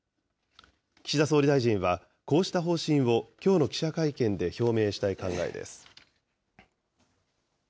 岸田総理大臣はこうした方針を、きょうの記者会見で表明したい考えです。